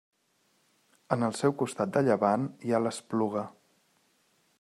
En el seu costat de llevant hi ha l'Espluga.